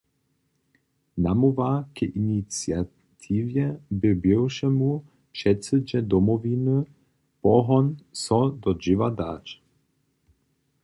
Namołwa k iniciatiwje bě bywšemu předsydźe Domowiny pohon, so do dźěła dać.